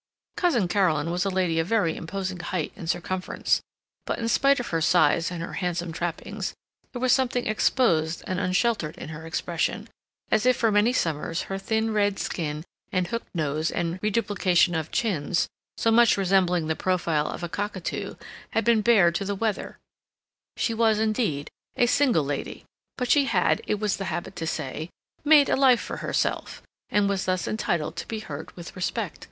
Cousin Caroline was a lady of very imposing height and circumference, but in spite of her size and her handsome trappings, there was something exposed and unsheltered in her expression, as if for many summers her thin red skin and hooked nose and reduplication of chins, so much resembling the profile of a cockatoo, had been bared to the weather; she was, indeed, a single lady; but she had, it was the habit to say, "made a life for herself," and was thus entitled to be heard with respect.